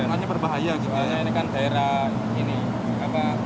soalnya ini kan daerah ini apa